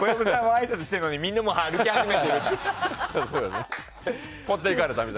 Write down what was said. あいさつしてるのにみんなもう歩き始めてるって。